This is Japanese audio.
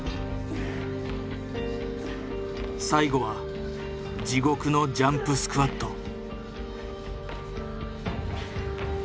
最後は地獄のジャンプスクワット。